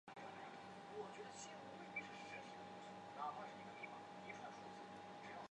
贝蒂是北爱尔兰泰隆郡杜利拉冈庄园的女儿。